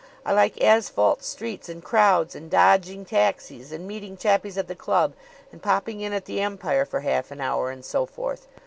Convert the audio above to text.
I like asphalt streets and crowds and dodging taxis and meeting chappies at the club and popping in at the Empire for half an hour and so forth.